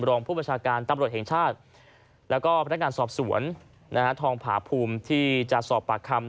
รองผู้ประชาการตำรวจแห่งชาติแล้วก็พนักงานสอบสวนทองผาภูมิที่จะสอบปากคำ